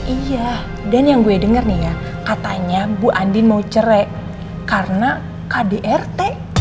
iya dan yang gue denger nih ya katanya bu andin mau cerek karena kdrt